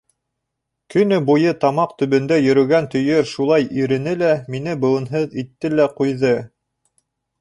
Көнө буйы тамаҡ төбөндә йөрөгән төйөр шулай ирене лә мине быуынһыҙ итте лә ҡуйҙы.